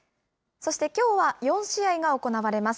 そして、きょうは４試合が行われます。